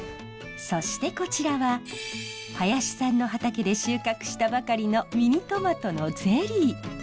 そしてこちらは林さんの畑で収穫したばかりのミニトマトのゼリー。